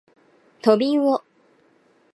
とびうお